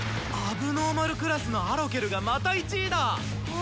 問題児クラスのアロケルがまた１位だ！わ！